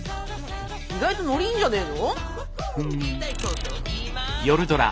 意外とノリいいんじゃねえの？